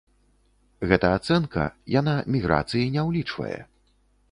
Гэта ацэнка, яна міграцыі не ўлічвае.